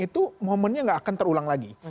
itu momennya gak akan terulang lagi